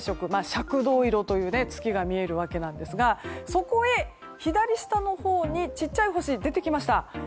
赤銅色という月が見えるわけですがそこへ左下のほうに小さい星が出てきました。